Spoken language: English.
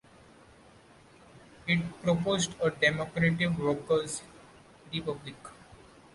It proposed a "democratic workers' republic".